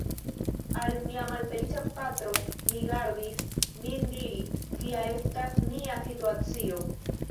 Al mia malfeliĉa patro, mi gardis min diri, kia estas mia situacio.